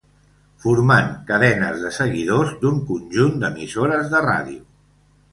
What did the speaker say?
Formant cadenes de seguidors d'un conjunt d'emissores de ràdio.